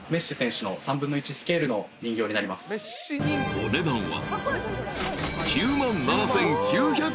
［お値段は］